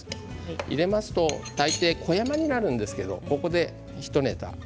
入れていくと大抵小山になるんですけれどここで、ひとネタ。